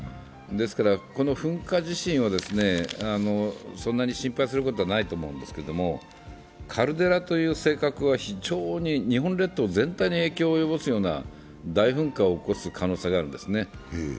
この噴火自身はそんなに心配することないと思うんですけどカルデラという性格は非常に日本列島全体に影響を及ぼすような大噴火を起こす可能性があるんですね。